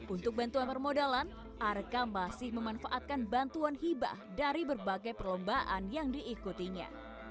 untuk bantuan permodalan arka masih memanfaatkan bantuan hibah dari berbagai perlombaan yang diikutinya